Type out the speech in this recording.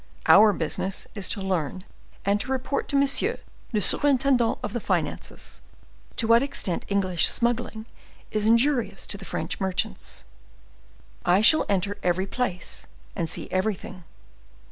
Our business is to learn and to report to monsieur le surintendant of the finances to what extent English smuggling is injurious to the French merchants. I shall enter every place, and see everything.